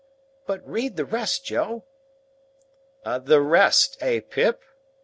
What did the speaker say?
But read the rest, Jo." "The rest, eh, Pip?"